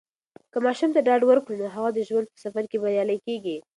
که ماشوم ته ډاډ ورکړو، نو هغه د ژوند په سفر کې بریالی کیږي.